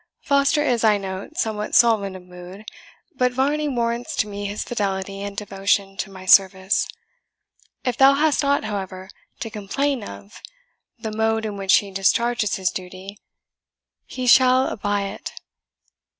"Foster is, I note, somewhat sullen of mood; but Varney warrants to me his fidelity and devotion to my service. If thou hast aught, however, to complain of the mode in which he discharges his duty, he shall abye it."